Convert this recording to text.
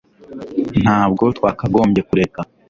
Ntabwo twakagombye kureka